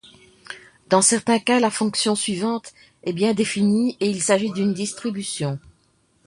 Dans certains cas, la fonction suivante est bien définie et il s'agit d'une distribution.